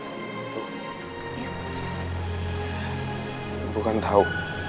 ibu kan tahu